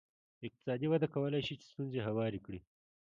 اقتصادي وده کولای شي چې ستونزې هوارې کړي.